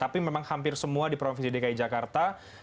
tapi memang hampir semua di provinsi dki jakarta